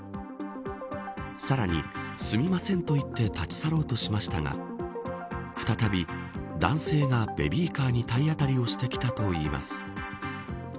さらに、すみませんと言って立ち去ろうとしましたが再び男性がベビーカーに体当たりをしてきたといいます。